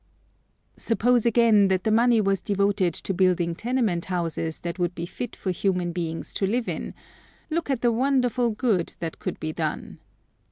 Suppose again that the money was devoted to building tenement houses that would be fit for human beings to live in, look at the wonderful good that could be done.